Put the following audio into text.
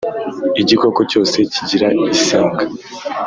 Igikoko cyose kigira isenga.